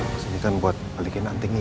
kesan buat balikin antingnya